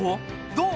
どう？